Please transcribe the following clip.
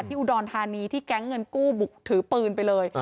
อุดรธานีที่แก๊งเงินกู้บุกถือปืนไปเลย